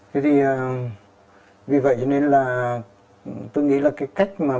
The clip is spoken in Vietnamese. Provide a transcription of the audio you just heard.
thế thì vì vậy cho nên là tôi nghĩ là cái cách mà